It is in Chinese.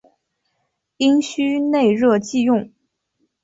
阴虚内热忌用。